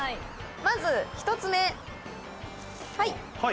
まず１つ目はい。